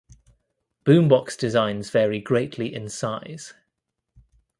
Boombox designs vary greatly in size.